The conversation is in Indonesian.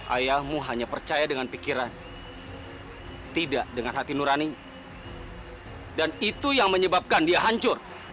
ayahmu hanya percaya dengan pikiran tidak dengan hati nurani dan itu yang menyebabkan dia hancur